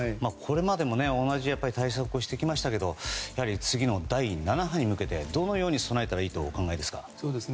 これまでも同じ対策をしてきましたけど次の第７波に向けてどのように備えたらいいとお考えですか？